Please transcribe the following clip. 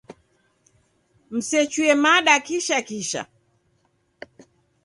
Musechuye mada kisha kisha.